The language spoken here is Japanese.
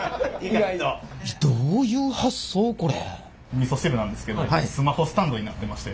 みそ汁なんですけどスマホスタンドになってまして。